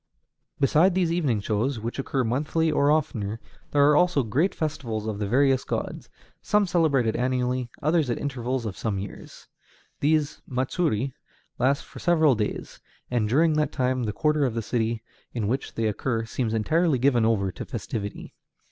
Beside these evening shows, which occur monthly or oftener, there are also great festivals of the various gods, some celebrated annually, others at intervals of some years. These matsuri last for several days, and during that time the quarter of the city in which they occur seems entirely given over to festivity.